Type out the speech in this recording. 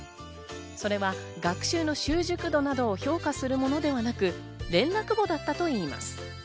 それは学習の習熟度などを評価するものではなく、連絡簿だったといいます。